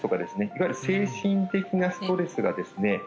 いわゆる精神的なストレスがですね